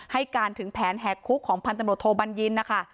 ให้การถึงแผนแหกคุกของพันตำรวจโทบัญญินนะคะ